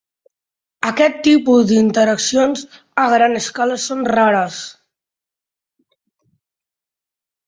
Aquest tipus d'interaccions a gran escala són rares.